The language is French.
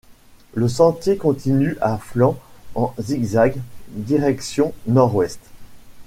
Le sentier continue à flanc en zig-zag direction nord-ouest.